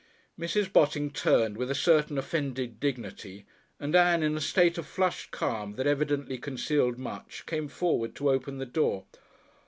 Mrs. Botting turned with a certain offended dignity, and Ann in a state of flushed calm that evidently concealed much came forward to open the door.